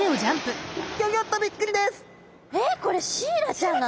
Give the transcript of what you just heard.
えっこれシイラちゃんなの！？